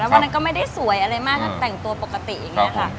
วันนั้นก็ไม่ได้สวยอะไรมากก็แต่งตัวปกติอย่างนี้ค่ะ